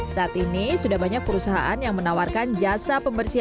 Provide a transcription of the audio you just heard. saat ini sudah banyak perusahaan yang menawarkan jasa pembersihan